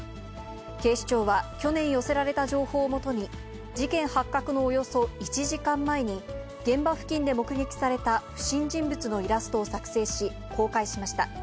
警視庁は去年寄せられた情報をもとに、事件発覚のおよそ１時間前に、現場付近で目撃された不審人物のイラストを作成し、公開しました。